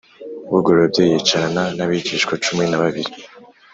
Bugorobye yicarana n abigishwa cumi na babiri